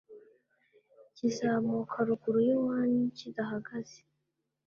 kizamuka ruguru yiwanyu kidahagaze